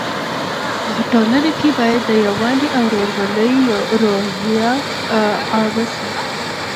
په ټولنه کې باید د یووالي او ورورولۍ روحیه عامه سي.